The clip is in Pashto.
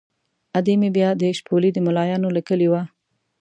ادې مې بیا د شپولې د ملایانو له کلي وه.